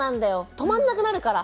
止まんなくなるから。